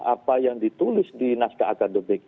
apa yang ditulis di naskah akademik